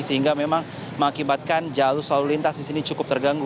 sehingga memang mengakibatkan jalur lalu lintas di sini cukup terganggu